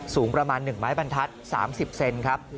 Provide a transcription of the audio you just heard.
สูงประมาณ๑ไม้บรรทัศน์๓๐เซนครับ